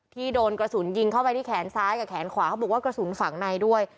โดนกระสุนยิงเข้าไปที่แขนซ้ายกับแขนขวาเขาบอกว่ากระสุนฝังในด้วย